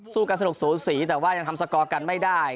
กันสนุกสูสีแต่ว่ายังทำสกอร์กันไม่ได้